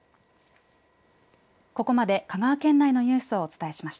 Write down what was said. ここまで香川県内のニュースをお伝えしました。